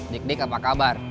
dik dik apa kabar